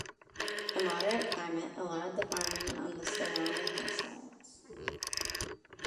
The moderate climate allowed the farming on the surrounding hillsides.